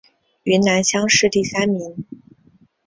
云南乡试第三名。